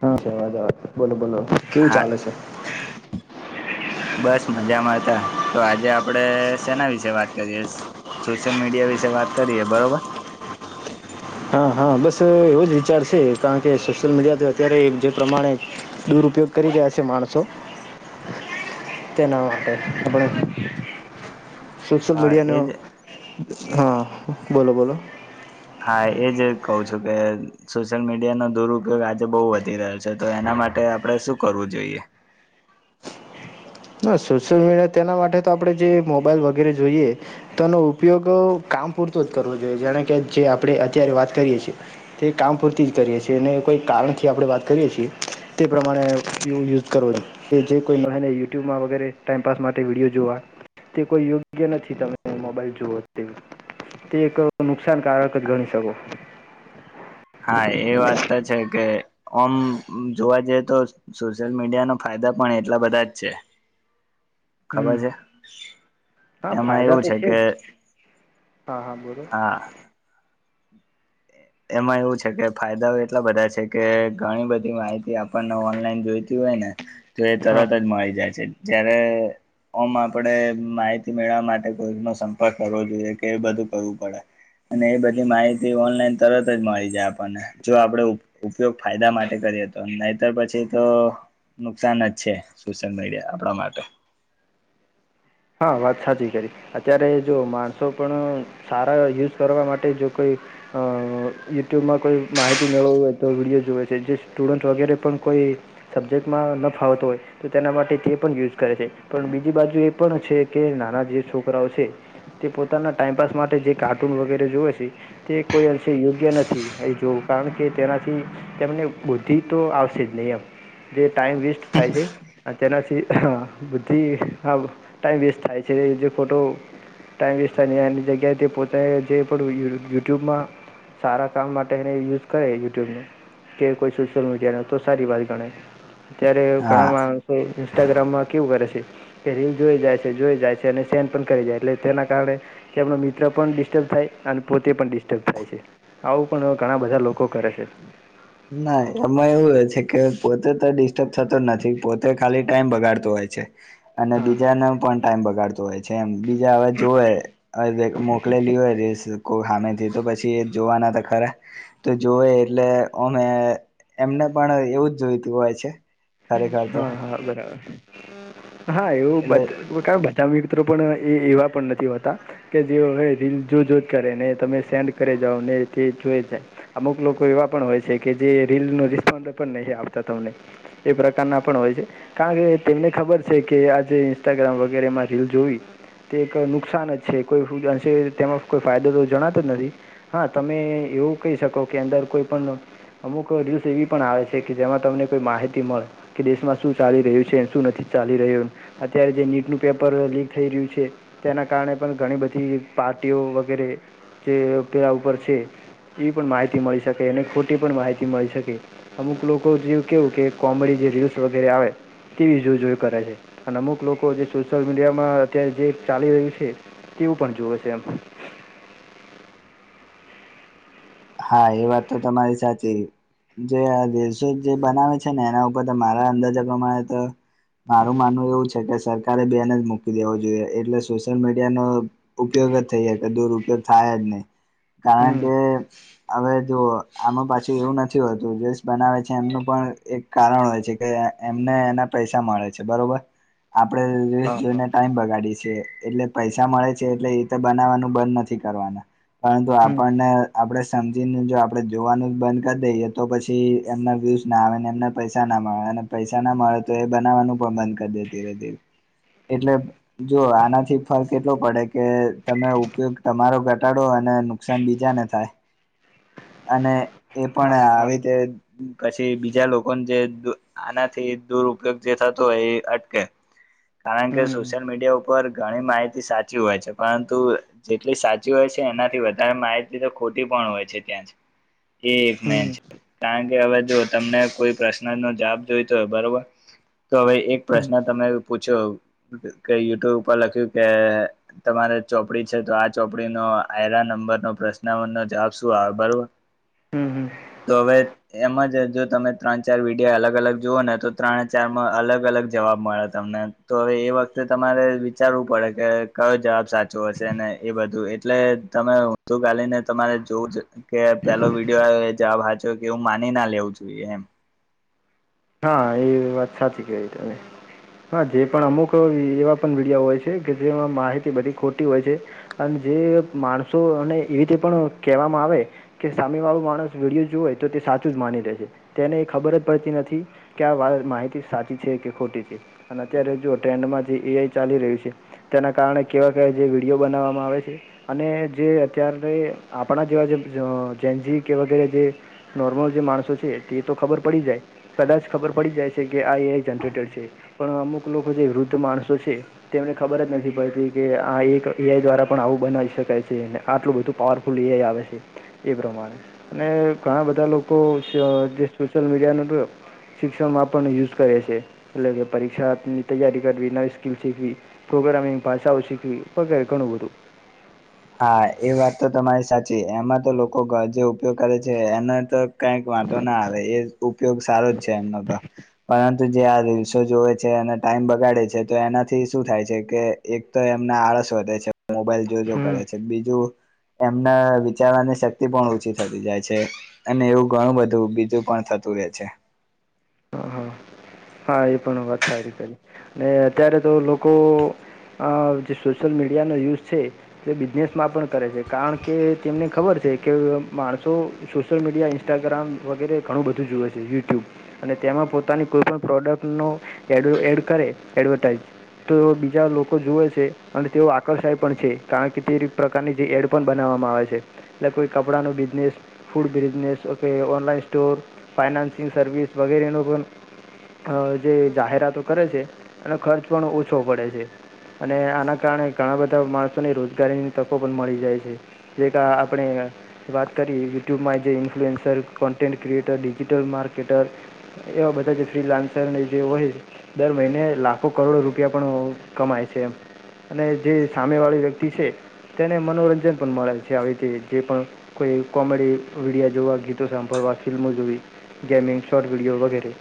હા છે અવાજ આવે છે બોલો બોલો. કેવું હા ચાલે છે? બસ મજામા હતા. તો આજે આપડે સેના વિશે વાત કરીયશ સોશિયલ મીડિયા વિશે વાત કરીએ બરોબર. હા હા બસ એવો જ વિચાર છે કારણ કે સોશિયલ મીડિયા અત્યારે જે પ્રમાણે દુરયો ઉપયોગ ઉપ કરી રહ્યા છે માણસો તેના માટે આપણે. સોશલ હા મીડિયા ન એજ હા બોલો બોલો હ એ જ કહું છું કે સોશિયલ મીડિયાનો દુરપયોગ આજે બહુ વધી રહ્યો છે તો એના માટે. આપણેે શું કરવું જોઈએ? હ સોશિયલ મીડિયા તેના માટે તો આપડે જે મોબાઈલ વગેરે જોઈએ તો એનો ઉપયોગ કામ પૂરતો જ કરવો જોઈએ જેણે કે જે આપણે અત્યારે વાત કરીએ છીએ તે કામ પૂરતી જ કરીએ છીએ અને કોઈ- કારણ થી આપ વાત કરીએ છીએ તે પ્રમાણે યુજ કરવા કે જે કોઈહે ને યુટ્યુબવગેરે ટાઈમપાસ માટે વિડીયો જોવા. તે કોઈ યોગ્ય નથી તમે મોબાઈલ જુવઓ તેવી. તે એક નુકસાનકારક જ ગણી શકો. હા એ વાત તો છે કે. ઓમ જોવા જઈએ તો સોશિયલ મીડિયા ના ફાયદા પણ એટલા બધા જ છે. ખબર હમ્મ છે હા એમાં ફાયદા એવું તો છે કે જ. હા હા બોલો. હા એમાં એવું છે કે ફાયદાઓ એટલા બધા છે કે ઘણી બધી માહિતી આપ- પણે ઓનલાઈન જોઈતી હોય ને તો એ હા તરત જ મળી જાય છે જ્યારે ઓમ આપણેે માહિતી મેળવવા માટે કોઈ ન સંપર્ક કરવો જોઈએ કે એ બધું કરવું પડે. અને એ બધી માહિતી ઓનલાઈન- તરત જ મળી જાય આપણને, જો આપડે ઉપયોગ ફાયદા માટે કરીએ તો. નહીંતર પછી તો નુકસાન જ છે સોશિયલ મીડિયા આપણા માટે. [unintelligible] હા, વાત સાચી કરી. અત્યારે જો માણસો પણ સારા યુઝ કરવા માટે જો કોઈ યુટ્યુબમાં કોઈ માહિતી મેળવું હોય તો વિડીયો જોવે છે જે સ્ટુડન્ટ વગેરે પણ કોઈ- કો સબ્જેક્ટમાં ન ફાવતો હોય તો તેના માટે તે પણ યુઝ કરે છે પણ બીજી બાજુ એ- પણ છે કે નાના જે છોકરાઓ છે. તે પોતાના ટાઈઇમપાસ માટે જે કાર્ટૂન વગેરે જોવે છે તે કોઈ અંશે યોગ્ય નથી એ જોવુ કારણ કે તેનાથી તેમને બુદ્ધિ તો આવશે જ નઈ એમ જે ટાઈમ વેસ્ટ થાય છે અને તેનાથી બુદ્ધિ આ ટાઈમ વેસ્ટ થાય છે જે ખોટો- ટાઈમ વેસ્ટ થાય ન એની જગ્યાએ તે પોતા જે પણય યુટ્યુબમાં. સારા કામ માટે એને યુઝ કરે યુટ્યુબને. કે કોઈ સોશલ મીડિયા ને ત સારી આવાત ગને. અત્યારે હા ઘણા માણસો ઇન્સ્ટાગ્રામમાં કેવું કરે છે કે રીલ. જોઈ જાય છે જોઈ જાય છે અને સેન પણ કરી જાય એટલે તેના કારણે કેમનો મિત્ર પણ ડિસ્ટર્બ થાય અને પો તો તે પણ ડિસ્ટર્બ થાય છે આવું પણ ઘણા બધા લોકો કરે છે. ના એમાં એવું હો છે કે પોતે તો ડિસ્ટર્બ થતો જ નથી પોતે ખાલી ટાાઈમ બગાડતો હોય. છે. અને હા હા બીજાને પણ ટાઈમ બગાડતો હોય છે, એમ બીજા હવે જોવેવે મોકલેલી હોય સામે તો પછી એ જોવાના હતા ખરે તો જોવે એટલે અમે એમને પણ એવું જ જોઈતું હોય છે. ખરેખર તો હા હા બરાબર હા એવું એટલે બધ ક બ. તમે મિત્રો પણ એ એવા પણ નથી હોતા કે જે હવે રીલ જોજજ કરે ને તમે સેન્ડ કરે જોઈ જાય અમુક લોકો એવા પણ હોય છે, કે જે રીલ ન રિસ્પોન્ પણ નહી આવતા. મળને એ પ્રકારના પણ હોય છે કારણ કે તેમને ખબર છે, કે આજે ઇન્સ્ટાગ્રામ વગેરેમાં રીલ જોવી તે એક નુકસાન જ છે કોઈશે તેમાં કોઈ ફાયદો તો જણાતો જ નથી હા તમે એવું કહી શકો કે અંદર કોઈ પણ અમુક ર્યૂઝ એવી પણ આવે છે, કે જેમાં તમને કોઈ માહિતી. મળે કે દેશમાં શું ચાલી રહ્યું છે શું નથી ચાલી રહ્યું અત્યારે જે નીટનું પેપર લીક થઈ. તેના કારણે પણ ઘણી બધી પાર્ટીઓ વગેરે જે પેલા ઉપર છે. એવી પણ માહિતી મળી શકે અને ખોટી પણ માહિતી મળી શકે અમુક લોકો જેવું કેવું કે કોમેડી જે રીલ્સ વગેરે આવે. તેવી જો જોઈ કરે છે, અને અમુક લોકો જે સોશિયલ મીડિયામાં અત્યારે જે ચાલી રહ્યું છે. એવું પણ જુવે છે એમ. હા એ વાત તો તમારી સાચી. જે આ દસો જે બનાવે છે ને એના ઉપર તો મારા અંદાજા પ્રમાણે તો. મારું માનવું એવું છે કે સરકારે બેન જ મૂકી દેવો જોઈએ, એટલે સોશિયલ મીડિયાનો ઉપયોગ. થઈ જાય કે દુરપયોગ થાય જ નહીિ કારણ હમ કે હવે જો આમાં પાછું એવું નથી હોતું ડ્રેસ બનાવે છે, એમનું પણ એક કારણ હોય છે કે એમને એના પૈસા મળે છે, બરોબર આપણે જો હા હા જોઈને ટાઈમ બગાડી. એટલે પૈસા મળે છે એટલે એ તો બનાવવાનું બંધ નથી કરવાના. પરંતુ હમ આપણને આપડ. સમજીને જો આપડે જોવાનું જ બંધ કરી દઈએ તો પછી એમના વ્યુઝ ના આવે ને એમના પૈસા ના મળે. પૈસા ના મળે તો એ બનાવવાનું પણ બંધ કરી દે ધીરે ધીરે. એટલે જો આનાથી ફર્ક એટલો પડે કે તમે ઉપયોગ તમારો ઘટાડો અને નુકસાન બીજાને થાય. [inaudible] અને એ પણ હા હા આવી રીતે પછી બીજા લોકોને જે આનાથી દુર ઉપયોગ જે થતો એ અટકે. કારણ કે હમ સોશિયલ મીડિયા ઉપર ઘણી માહિતી સાચી હોય છે પરંતુ જેટલી સાચી હોય છે. છે એનાથી વધારે માહિતી તો ખોટી પણ હોય છે ત્યાં જ તે જ ને હમ જ કારણ કે હવે જો તમને કોઈ પ્રશ્ન નો જવાબ જોઈતો હો બરોબર. તો હવે એક હમ પ્રશ્ન તમે પૂછ જો કંઈ યુટ્યુબ ઉપર લખ્યું કે તમારે ચોપડી છે તો આ ચોપડી નો આયરા નંબર ન પ્રશ્નવ નો જવાબ શું આવે બરોબર. હમ્મ. તો હવે એમાં જ જો તમે ત્રણ ચાર વિડિયા અલગ અલગ જુઓ ને તો ત્રણ ચારમાં અલગ અલગ જ જવાબ મળે તમને તો હવે એ વખતે તમારે વિચારવું પડે કે કયો જવાબ સાચો હશે અને એ બધું એટલે તમે હું તો કાલીને તમારે જોવું છે કે પેલો વિડીયો જવાબ હાચો કે હું માની ના લેવું જોઈએ એમ. હા એ વાત સાચી કહી તમે. હા જે પણ અમુક એવા પણ વિડયો હોય છે કે જેમાં માહિતી બધી ખોટી હોય છે અને જે માણસોને એવી રીતે પણ કહેવામાં આવે કે સામે વાળો માણસ વિડીયો જોઈ તો તે સાચું જ માની લે છે તેને ખબર જ પડતી નથી કે વાત માહિતી સાચી છે કે ખોટી છે અને અત્યારે જુ ટ્રેન્ડમાં જે એ આઈ ચાલી રહ્યું છે. તેના કારણે કેવા કેવાય જે વિડીયો બનાવવામાં આવે છે અને જે અત્યારે આપણા જેવા જા જેનજી કે વગેરે જે નોર્મલ જે માણસો છે તે તો ખબર પડી જાય. કદાચ ખબર પડી જાય છે કે આ એ જનરેટર છે પણ અમુક લોકો જે વૃદ્ધ માણસો છે તેને ને ખબર જ નથી પડતી કે આ એક એ આઈ દ્વારા પણ આવું બનાવી શકાય છે આટલું બધું પાવરફુલ એ આઈ અવે છે એ પ્રમાણે અને ઘણા બધા લોકો જે સોશિયલ મીડિયા ન તો શિક્ષણમાં આપણને યુઝ કરે છે એટલે કે પરીક્ષાની તૈયારી કરવી નવી સ્કીલ શીખવી. પ્રોગ્રામિંગ પાસાઓ શીખવી [unintelligible] ઘણું બધું. હા એ વાત તો તમારી સાચી એમાં તો લોકો જે ઉપયોગ કરે છે એને તો કઈક વાંધો ના આવે એ ઉપયોગ સારો જ છે એમનો તો પરંતુ જે આ રીલ્સો જોવે છે અને ટાઈમ બગાડે છે તો એનાથી શું થાય છે કે એક તો એ એમને આળસ વધે છે મોબાઈલ જોજ હમ કરે જો એમના વિચારવાની શક્તિ પણ ઓછી થતી જાય છે અને એવું ઘણું બધું બીજું પણ થતું રે છે. [inaudible] હા એ પણ વાત સારી કરી ને અત્યારે તો લોકો અ જે સોશિયલ મીડિયાનો યુઝ છે તે બિઝનેસમાં પણ કરે છે કારણ કે તેમને ખબર છે કે માણસો સોશિયલ મીડિયા ઇન્સ્ટાગ્રામ વગેરે ઘણું બધું જુએ છે યુટ્યુબ અને તેમાં પોતાની કોઈપણ પ્રોડક્ટનો એડ એડ કરે એડવર્ટાઇઝ તો બીજા લોકો જુવે છે અને તેઓ આકર્ષાય પણ છે કારણ કે તે પ્રકારની જે એડ પણ બનાવા માં આવે છે એટલે કોઈ કપડાનું બિઝનેસ ફૂડ બિઝનેસ કે ઓનલાઈન સ્ટોર ફાયના ન્યુ સર્વિસ વગેરેનું પણ આ જે જાહેરાતો કરે છે અને ખર્ચ પણ ઓછો પડે છે. અને આના કારણે ઘણા બધા માણસોને રોજગારીની તકો પણ મળી જાય છે જે ક આપણે વાત કરી યુટ્યુબમાં જે influencer content creator digital marketer એવા બધા જ ફ્રીલાન્સ [unintelligible] જે હોય દર મહિને લાખો કરોડો રૂપિયા પણ કમાય છે એમ. અને જે સામે વાળી વ્યક્તિ છે. તેને મનોરંજન પણ મળે છે આવી રીતે જે પણ કોઈ કોમેડી વિડિયા જોવા ગીતો સાંભળવા ફિલ્મો જોવી કે ગેમિંગ શોટ વિડડીયો વગેરે.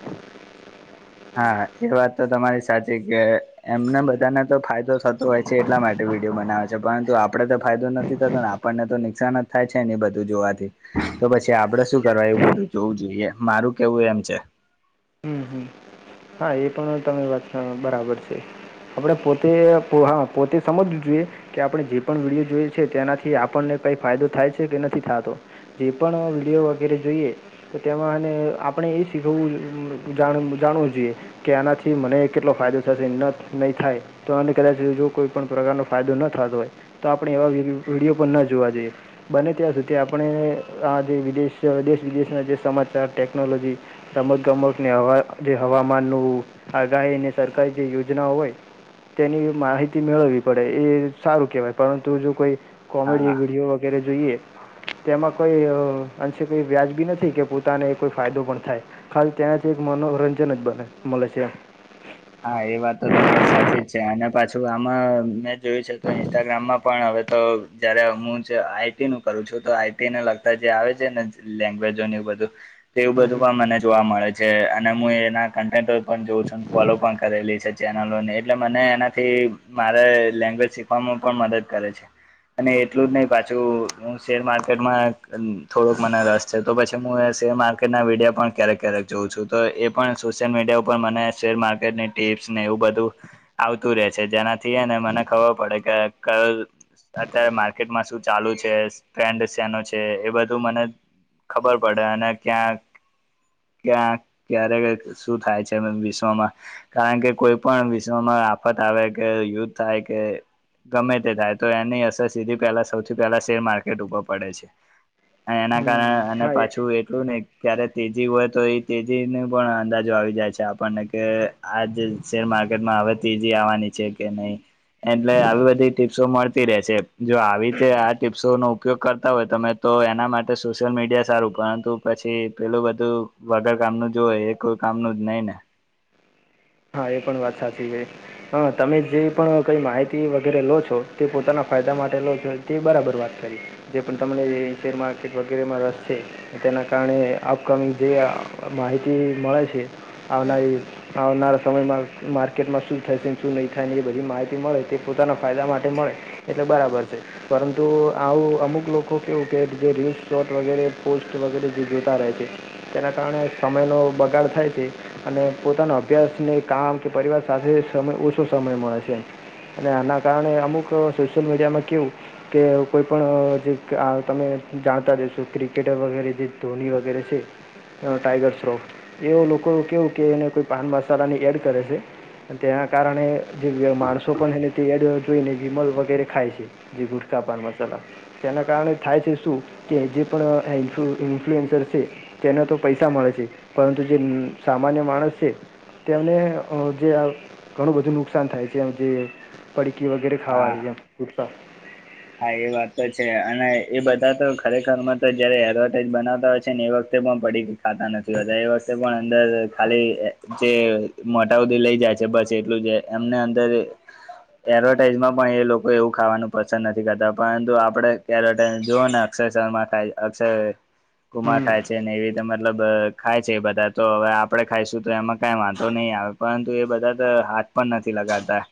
હા એ વાત તો તમારી સાચી કે એમને બધાને તો ફાયદો થ તો હોય છે એટ માટે વિડીયો બનાવે છે. પરંતુ આપડે તો ફાયદો નથી થતો ને આપણને તો નુકસાન જ થાય છે ને બધું જોવાથી તો પછી અપ આપડે શું કરવા, એવું બધું જોવું જોઈએ. મારું કેવું એમ છે. હમ હમ, હા, એ પણ તારી વાત બરાબર છે. આપણે પોતે, હા, પોતે સમજવું જોઈએ કે આપણે જે પણ વિડીયો જોઈએ છે, તેનાથી આપણને કંઈ ફાયદો થાય છે કે નથી થતો, જે પણ વિડીયો વગેરે જોઈએ તો તેમાં આપણે એ શીખવું. જાણવું જાણવું જોઈએ કે આનાથી મને કેટલો ફાયદો થશે, નહીં થાય તો આને કદાચ જો કોઈ પણ પ્રકારનો ફાયદો ન થતો હોય, તો આપણે એવા વિડીયો પણ ન જોવા જોઈએ, બને ત્યારે ત્યાં સુધી આપણે આ જે વિદેશ, દેશ-વિદેશના જે સમાચાર, ટેકનોલોજી સમ કમકને જે હવામાન આગાહી અને સરકારી જે યોજનાઓ હોય તેની માહિતી મેળવવી પડે, એ સારું કેહવાય. પરંતુ જો કોઈ હા કોમેડી વિડીયો વગેરે જોઈએ. તેમાં કોઈ અ અંશે કોઈ વ્યાજ બી નથી કે પોતાને કોઈ ફાયદો પણ થાય. ખાલી ત્યાંથી એક મનોરંજન જ બને મળી જાય. હા, એ વાત તો તમારી સાચી જ છે અને પાછું આમાં મેં જોયું છે, તો ઇન્સ્ટાગ્રામમાં પણ હવે તો જયારે હું જ આઈડીનું ક આઈડીને લગતા જે આવે છે ને, લેંગ્વેજો ને બધું તેવું બધું હમ પણ મને જોવા મળે છે, અને હું એના કન્ટેન્ટ પણ જોઉં છું. ફોલો પણ કરેલી છે ચેનલોને, એટલે મને એનાથી મારે લેંગ્વેજ શીખવામાં પણ મદદ કરે છે. અને એટલું જ નય, પાછું હું શેર માર્કેટમાં અ થોડોક મને રસ છે, તો પછી હું એ શેર માર્કેટના વિડિયા પણ ક્યારેક ક્યારેક જોઉં છું, તો એ પણ સોશિયલ મીડિયા ઉપર મને શેરમાર્કેટ ની ટીપ્સ ને એવું બધું આવતું રે છે, જેનાથી હે ને મને ખબર પડે કે કયલ અત્યારે માર્કેટમાં શું ચાલુ છે, ટ્રેન્ડ શેનું છે, એ બધું મને ખબર પડે અને ક્યાંક ક્યારેક શું થાય છે, ભવિષ્યમાં તો, કારણ કે કોઈ પણ વિશ્વમાં આફત આવે કે યુદ્ધ થાય કે ગમે તે થાય તો એની અસર સીધી, પહેલા સૌથી પહેલા, શેર માર્કેટ ઉપર પડે છે. એના કારણે હમ અને હા એ પાછું એટલું ને ક્યારે તેજી હોય તો એ તેજી ને પણ અંદાજો આવી જાય છે આપણને. કે આજે શેર માર્કેટમાં અવે તીજી આવવાની છે કે નય. એટલે આવી બધી ટીપ્સો મળતી રહે છે. જો આવી રીતે આ ટીપ્સો નો ઉપયોગ કરતા હોય તમે, તો તો એના માટે સોશિયલ મીડિયા સારું, પરંતુ પછી પેલું બધું વગર કામ નું જો એ કો કા કામ નું જ નય ને. હા, એ પણ વાત સાચી હે. હ તમે જે પણ કંઈ માહિતી વગેરે લો છો, તે પોતાના ફાયદા માટે લો છો, તે બરાબર વાત કરી. જે પણ તમને શેર માર્કેટ વગેરેમાં રસ છે. તેના કારણે આપકમિંગ જે આ માહિતી મળે છે, આવનારી, આવનાર સમયમાં માર્કેટમાં શું થશે, શું નહીં થાયને, એ બધી માહિતી મળે. તે પોતાના ફાયદા માટે મળે, એટલે બરાબર છે, પરંતુ આવું અમુક લોકો કેવું કે જે રીલ, શોટ વગેરે પોસ્ટ વગેરે જે જોતા રહે છે, તેના કારણે સમયનો બગાડ થાય છે અને પોતાનો અભ્યાસ અને કામ કે પરિવાર સાથે સમય ઓછો સમય મળે છે. અને આના કારણે અમુક સોશિયલ મીડિયામાં કેવું કે કોઈ પણ અ જે ગા તમે જાણતા જ હશો, ક્રિકેટર વગેરે જે ધોની વગેરે છે એમાં ટાઈગર શ્રોફ એવ લોકો કેવું કે, એને કોઈ પાન મસાલાની એડ કરે છે. તેના કારણે જે વ્ય માણસો પણ એને તે એડ જોઈને જીમલ વગેરે ખાય છે, જે ગુ પાન મસાલા તેના કારણે થાય છે શું કે, જે પણ એન્ફ્લુ ઇન્ફ્લુએન્સર છે તેને તો પૈસા મળે છે, પરંતુ જે મ સામાન્ય માણસ છે તેને અ જે અ ઘણું બધું નુકસાન થાય છે, અ જે પરી કી વગેરે ખાવા હા રેય એમ ગુટકા. હા, એ વાત તો છે. અને એ બધા તો ખરેખરમાં, તો જયારે એડવેટાઈઝ બનાવતા હોય છે ને, એ વખતે મા પડીકુ ખાતા નથી, એને વસે પણ અંદર ખાલી જે મોઢા હુધી લઇ જાય છે બસ એટલું જ એ એમને અંદર એ એડવર્ટાઈઝમાં પણ એ લોકો એવું ખાવાનું પસંદ નથ થી ખાતા કરતા પરંતુ આપડે એડવેટાઇસ જુઓ ને અક્ષય સલમા ખાય અક્ષય કુમાર હમ ખાય છે ને એવી રીતે મતલબ ખાય છે એ બધા તો હવે આપડે ખાઈશું તો એમાં કઈ વાંધો નઇ. એ આવે પરંતુ એ બધા ત હાથ પણ નથી લગાડતા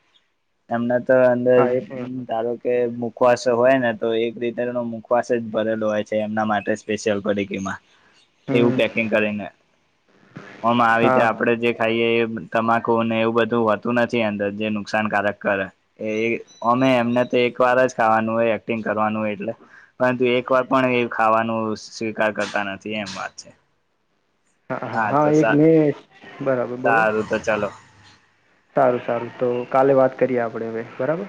એમના તો અંદર હા એ પણ ધારો કે મુ ખવાસ હોય ને તો એક રીતેનો મુખવાસ જ ભરેલો હોય છે એમના માટે સ્પેશિયલ પડીકીમાં. એવું હમ પેકિંગ કરીને અમાં આવી રીતે હા આપણે જે ખાઈએ એ તમાકુ ને એવું બધું હોતું નથી અંદર જે નુકસાનકારક કરે એ અમે એમને તો એક વાર જ ખાવાનું હોય એક્ટિંગ કરવાનું હોય એટલે પરંતુ એક વાર પણ એ ખાવાનું સ્વીકાર કરતા નથી. એમ વાત છે. હા. હ હા હા તો એક સા મે બરાબર બોલો સારું તો ચલો સારું સારું તો. કાલે વાત કરીએ આપણે હવે બરાબર.